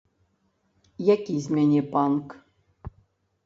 Які з мяне панк?